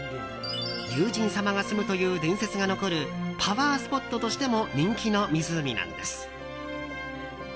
龍神様が住むという伝説が残るパワースポットとしても人気の湖なんです。